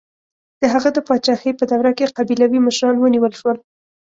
د هغه د پاچاهۍ په دوره کې قبیلوي مشران ونیول شول.